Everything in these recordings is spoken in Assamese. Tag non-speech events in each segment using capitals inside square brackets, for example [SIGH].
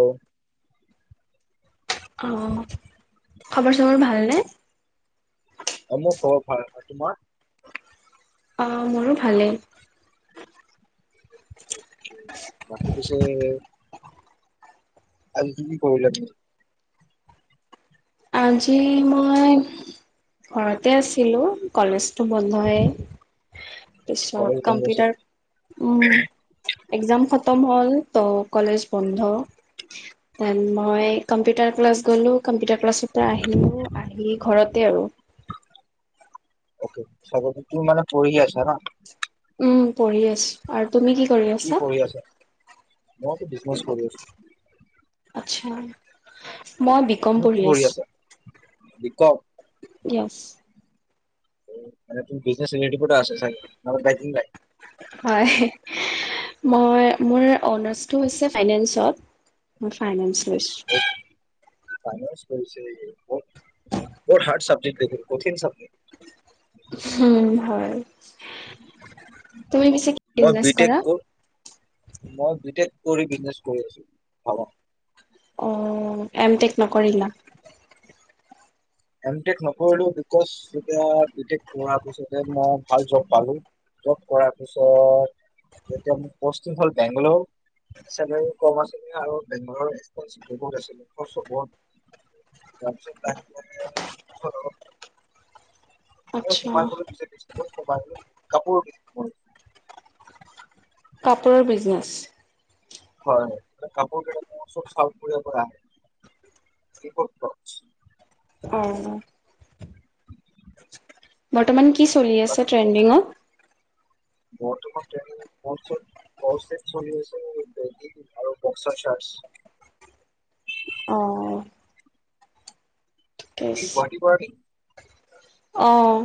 অ', অ', খবৰ, চবৰ ভালনে? অ', মোৰ খবৰ ভাল হয়, তোমাৰ? অ', মোৰো ভালেই। বাকী পিছে আজি কি, কি কৰিলা তুমি? আজি মই ঘৰতে আছিলোঁ কলেজটো বন্ধই। পিছত কলেজ বন্ধ আছে। কম্পিউটাৰ, উম। এক্জাম খতম হ'ল ত' কলেজ বন্ধ। দেন মই কম্পিউটাৰ ক্লাছ গ'লো, কম্পিউটাৰ ক্লাছত তে আহিলো, আহি ঘৰতে আৰু। অ'কে চব তুমি মানে পঢ়ি আছা ন'? উম, পঢ়ি আছোঁ আৰু তুমি কি কৰি আছা? মইটো বিজনেছ কৰি আছোঁ। উম, মই বি ক'ম কি পঢ়ি আছোঁ। আছা? বি ক'ম। য়েছ। ম বিজনেছ [UNINTELLIGIBLE] আছে চাগে [UNINTELLIGIBLE] হয়, মই মোৰ অনাৰ্চটো হৈছে ফাইনেন্সত। মই ফাইনেন্স লৈছো। ফাইনেন্স কৰিছে [UNINTELLIGIBLE] বৰ হাৰ্ড চাবজেকট দেখুন কঠিন চাবজেক্ট। উম, হয়। তুমি পিছে কি মই বি বিজনেছ টেক কৰা? ক' মই বি টেক কৰি বিজনেছ কৰি আছোঁ ভাবক। অ', এম টেক নকৰিলা? এমটেক নকৰিলো বিকজ এতিয়া বি টেক পঢ়াৰ পিছতে মই ভাল জব পালো। জব কৰাৰ পিছত যেতিয়া মোৰ প'ষ্টিং হ'ল বেংগলোৰ চেলাৰী কম আছিলে আৰু ঘৰৰ ৰেচপনচিব্লিটি বহুত আছিল তাৰপিছত [UNINTELLIGIBLE] আচ্ছা, চাই গ চাই কাপোৰ দি [UNINTELLIGIBLE] কাপোৰৰ বিজনেছ হয় কাপোৰ ক চব চাউথ কোৰিয়াৰ পৰা আহে। কি কৰছো [UNINTELLIGIBLE] উম, বৰ্তমান কি চলি বাট আছে ট্ৰেণ্ডিঙত। বৰ্তমান ট্ৰেন্ডিং টৰ্চৰ কলষ্টেট চলিছে বেগিং আৰু বক্সাৰ চাৰ্ছ। অ'। ঠিকে বিক্ৰী আছে। [UNINTELLIGIBLE] পাৰি। অ',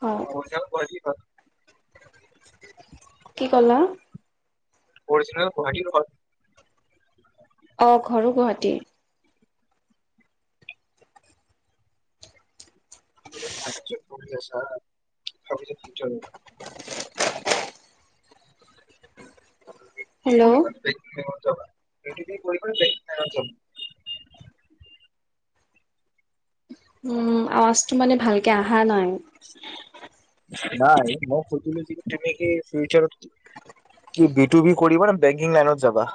হয়, অ, চেল গুৱাহাটীৰ পৰা। অই [INAUDIBLE] কি কলা। অৰিজিনেল গুৱাহাটীৰ হয়। অ, ঘৰো গুৱাহাটী। ছ ভাব [UNINTELLIGIBLE] ানখ এইি হেল্ল', কৰিান দেখ [UNINTELLIGIBLE] উম আৱাজটো মানে ভালকে অহা নাই। নাই মই সুধিলো যে কি তুমি কি ফিউচাৰত কি বি টু বি কৰিবা নে বেংকিং লাইনত যাবা।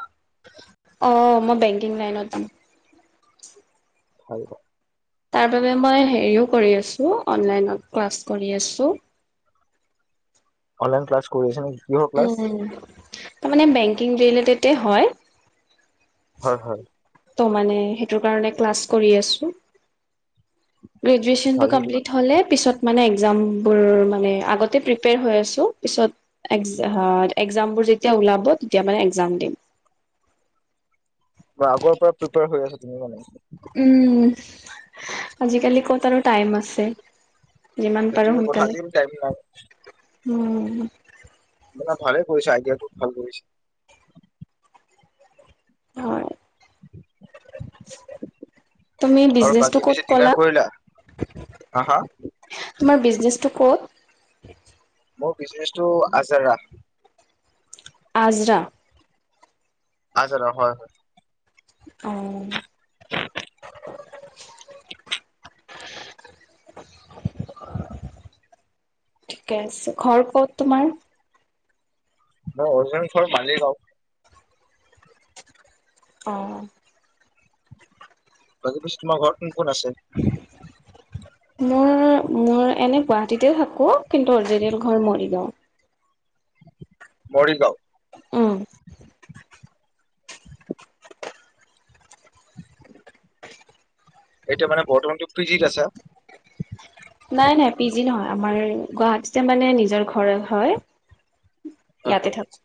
অ, মই বেংকিং লাইনত দিম। হয়িব [UNINTELLIGIBLE] তাৰ বাবে মই হেৰিও কৰি আছো অনলাইনত ক্লাছ কৰি আছো। অনলাইন ক্লাছ কৰি আছা নেকি? কিহৰ ক্লাছ? উম ম ম তাৰ মানে বেংকিং ৰিলেটেড হয়। হয় হয়। ত' মানে সেইটো কাৰণে ক্লাছ কৰি আছো। গ্ৰেজুৱেশ্যনটো ভালে দে কমপ্লিট হ'লে পিছত মানে একজামবোৰ মানে আগতে প্ৰিপেয়াৰ হৈ আছো পিছত একজামবোৰ যেতিয়া ওলাব তেতিয়া মানে একজাম দিম। [INAUDIBLE] অ', আগৰ পৰা প্ৰিপেয়াৰ হৈ আছা তুমি মানে। উম, আজিকালি ক'ত আৰু টাইম আছে। যিমান পাৰো সেইটোৱে কথা সোনকালে আজিকালি টাইম নাই উম, ভালে কৰিছে আইডিয়াটো ভাল কৰিছে। হয়। তুমি আৰু বিজনেচটো বাকী ক'ত পিছে ক'লা ডিনাৰ কৰিলা। হা- হা। তোমাৰ বিজনেচটো ক'ত? মোৰ বিজনেচটো আজাৰা- আজৰা। আজাৰা হয়। অ'। [UNINTELLIGIBLE] [UNINTELLIGIBLE] ঠিকে আছে ঘৰ কত তোমাৰ। মোৰ অৰজিনেল ঘৰ মালিগাও। অ', বাক পছ তোমাৰ ঘৰত কোন কোন আছে? মোৰ মোৰ এনে গুৱাহাটীতে থাকো কিন্তু অৰিজিনেল ঘৰ মৰিগাঁও মৰিগাঁও উম। এতিয়া মানে বৰ্তমানটো পি জি ত আছা নাই নাই পি জি নহয় আমাৰ গুৱাহাটীতে মানে নিজৰ ঘৰত হয় হয় হয় ইয়াতে থাত।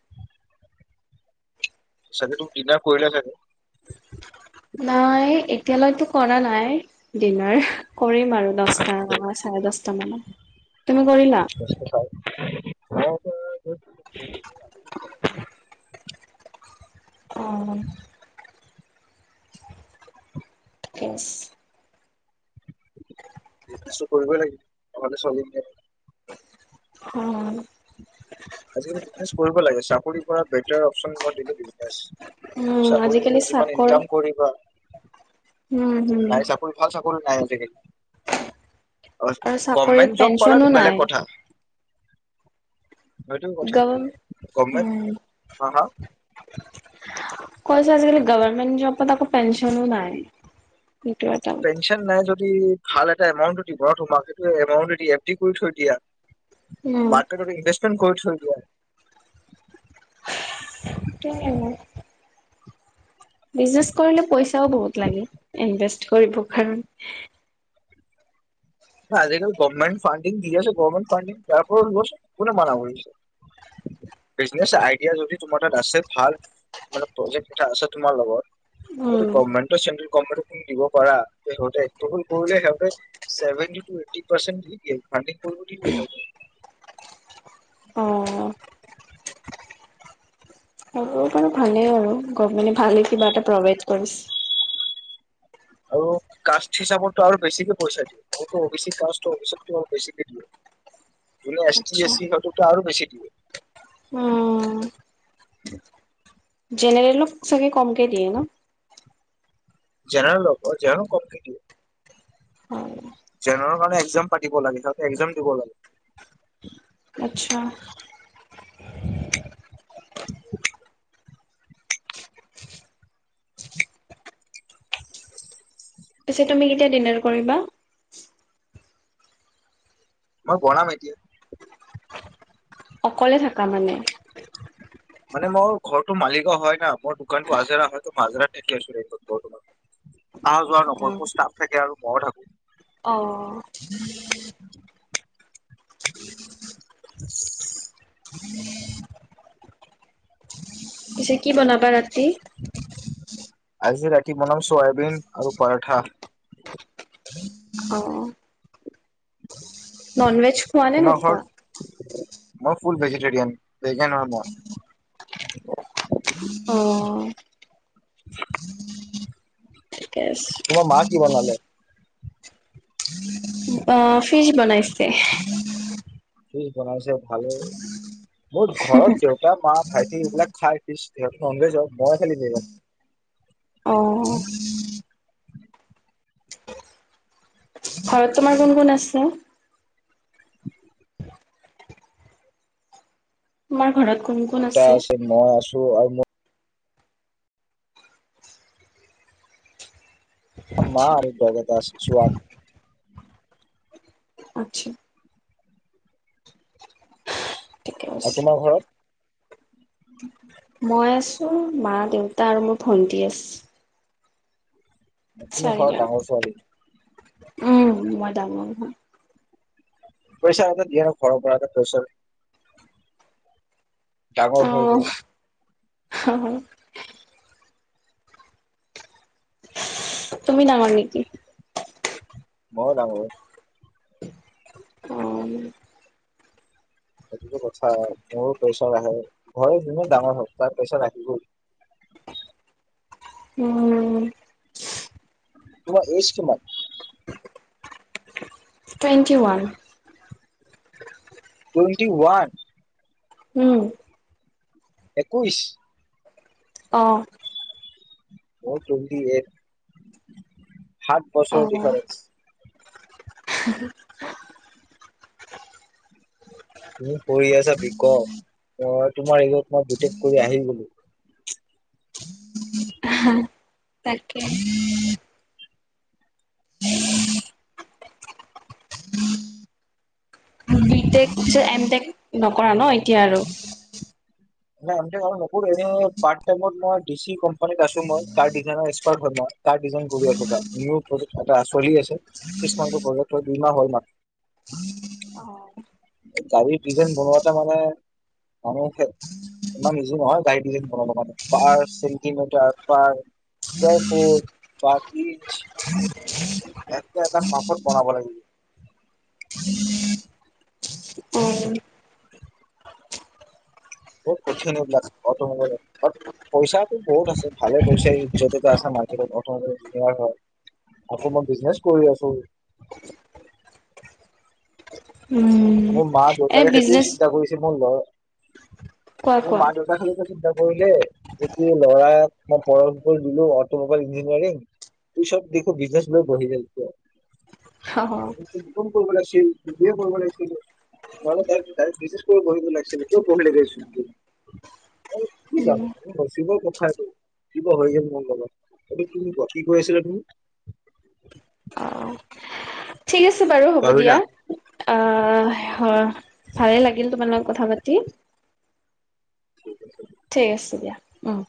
চাগে তো ডিনাৰ কৰিলানে নাই? নাই এতিয়ালৈতো কৰা নাই ডিনাৰ কৰিম বাৰু দশটা চাৰে দশটা মানত তুমি কৰিলা? অ [UNINTELLIGIBLE] অ ইএছ বিজনেচ তো কৰিবই লাগিব নহলে চলিম কেনেকে হ আজালি বিনে কৰিব লাগে চাকৰি বেটাৰ অপচন মই দিলো তুমি চাকৰি উম আজিকালি চাকৰি যিমান চাকৰ ইনকাম কৰিবা। উম হম নাই চাকুৰী ভাল চাকুৰী নাই আজিকালি আৰু চাকৰিত গভমেণ্ট জব পেঞ্চনো পালাটো নাই বেলেগ কথা সৈটো ও কথা গভ গভমেন্ট উম হা হা কৈছ আজিকালি গভৰ্মেণ্ট জবত আকৌ পেনচনো নাই সটো পেঞ্চন নাই ভাল এটা এমাউন্ট ও দিব তোমাক সেইটো এমাউণ্ট দি এফ ডি কৰি থৈ দিয়া। উম মাৰ্কেটত ইনভেষ্টমেন্ট কৰি থৈ দিয়া। [INAUDIBLE] বিজনেচ কৰিলে পইচাও বহুত লাগে ইনভেষ্ট কৰিব কাৰণে আজিকাল গভৰ্মেট ফানণ্ডিং দি আছে গভমেন্ট ফানণ্ডিং তাৰপৰা লোৱা কোনে মানা কৰিছে? বিজনেচ আইডিয়া যদি তোমাৰ তাত আছে ভাল মানে প্ৰজেক্ট এটা আছে তোমাৰ লগত তোমাৰ তো উম গভমেন্টৰ চেলাৰী িন দিব পাৰা স কৰিলে সিহভে [UNINTELLIGIBLE] সেইটোৱে এইট পাৰ্চেন্ট দি দিয়ে ফান্ডিং কৰিব দি দিয়ে সিহঁতক অ ভালে আৰু গভমেণ্টে ভালে কিবা এটা প্ৰভাইড কৰিছে। হেল্ল কাষ্ট হিচাপতো আৰু বছিক কে পইচা দিয়ে মোৰতো অ কা অ আৰু বছিক দিয়ে। জুনে এছ টি আচ্ছা এছ চি সিহঁতক আৰু বেছিকে দিয়ে উ জেনেৰেলো চাগ কমকে দিয়ে ন? যেনে ল যন কম কেট [UNINTELLIGIBLE] হয় জেনাৰেলৰ কাৰণে একজাম পাতিব লাগে সিহতে একজাম দিব লাগে আচ্ছা [INAUDIBLE] পিছে তুমি কেতিয়া ডিনাৰ কৰিবা? মই বনাম এতিয়া অকলে থাকা মানে মানে মোৰ ঘৰটো মালিগাও হয় ন মোৰ দোকানটো আজৰা হয় মই আজৰা থাকি আছো ঘৰটো মানে আহা যোৱা নকৰো মোৰ ষ্টাফ থাকে আৰু মই ও থাকো অ'। [INAUDIBLE] [INAUDIBLE] পিছে কি বনাবা ৰাতি? আজিৰ ৰাতি বনাম চয়াবিন আৰু পৰাঠা ননৱেজ খোৱা নে তোমাৰ ঘৰত নোখোৱা? মই ফুল ভেজিটেৰিয়ান, ভেগেন হয় মই। অ [INAUDIBLE] ঠিকে আছে তোমাৰ মা কি বনালে? অ ফিছ বনাইছে। ফিছ বনাইছে, ভালে। মোৰ ঘৰত দেউতা মা ভাইটি এইবিলাক খাই ফিচ, সিহঁত ননভেজ হয় মই খালি নিৰা অ'। ঘৰত তোমাৰ কোন কোন আছে? তোমাৰ ঘৰত কোন কোন দেউতা আছে, মই আছো আৰু মোৰ মা আচ্ছা আৰু [UNINTELLIGIBLE] আচ্ছা ঠিকে আৰু আছে। তোমাৰ ঘৰত? মই আছো মা, দেউতা আৰু মোৰ ভন্টি আছ ভন্টি ঘৰত ডাঙৰ ছোৱালী? উম মই ডাঙৰ হয়। প্ৰেচাৰ এটা দিয়ে ন ঘৰৰ পৰা এটা প্ৰেচাৰ। ডাঙৰ হৈ যায়। অ অ তুমি ডাঙৰ নেকি? মইওঁ ডাঙৰ। অ সেইটোতো কথা, মোৰো প্ৰেচাৰ আহে, ঘৰৰ যোনে ডাঙৰ হওঁক তাৰ প্ৰেচাৰ আহিবই। [INAUDIBLE] উম। তোমাৰ এজ কিমান? Twenty one. Twenty one? উম। একৈশ? অ। মোৰ টুৱেন্টি এইট, সাত অ বছৰৰ ডিফাৰেঞ্চ। তুমি পঢ়ি আছা বি কম, মই তোমাৰ এগত মই বি টেক কৰি আহি গ'লো। তাকে পিছে এম টেক নকৰা ন এতিয়া আৰু? মই এম তেক আৰু নকৰো এনে পাৰ্ত টাইমত মই ডিচি কোম্পানীত আছো মই। কাৰ ডিচাইনৰ এক্সপাৰ্ট হয় মই। কাৰ ডিজাইন কৰি আছো তাত। নিউ প্ৰজেক্ট এটা চলি আছে, ছিক্স মান্থৰ প্ৰজেক্ট হয়, দুই মাহ হ'ল মাত্ অ এই গাড়ীৰ ডিজাইন বনোৱাতা মানে মানুহে ইমান ইজি নহয় গাড়ীৰ ডিজাইন বনাবৰ কাৰণে, per centimetre per square foot, per inch একটা একটা মাপত বনাব লাগিব। উম বহুত কঠিন এইবিলাক অটোমোবাইলত, পইচাটো বহুত আছে ভালে পইচাই যতে আছে মাৰ্কেটত অটোমবাইলৰ ডিলাৰ হয়, আকৌ মই বিজনেচ কৰি আছো। [UNINTELLIGIBLE] মোৰ মা এ দেউতাই সেইটোৱে বিজনেচ চিন্তা কৰিছে মোৰ ল'ৰা কোৱা মোৰ কোৱা মা দেউতাৰ খালী কৈছে এইবিলাক কৰিলে জেতি ল'ৰাক মই পম কৰি দিলো অটমোবাইল ইঞ্জিনিয়াৰিং পিছত দেখো বিজনেছত বহি গ'ল কিয়? অ বি কম কৰিব লাগছিল, বি বি এ কৰিব লাগ ছিল নহ'লে ডাইৰেক্ট ডাইৰেক্ট বি ছেট কৰি পঢ়িব লাগিছিল কিয় পঢ়িলি [UNINTELLIGIBLE] মই কি উম জানো মোৰ নচিবৰ কথা এইটো। কিবা হৈ গ'ল মোৰ লগত। এতিয়া তুমি কোৱা কি কৈ আছিলা তুমি? অ ঠিক আছে বাৰু হ'ব দিয়া পাহৰিলা অ, হয় ভালে লাগিল তোমাল লগত কথা পাতি। ঠিক আছে দিয়া উম,